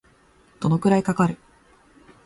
どのくらいかかる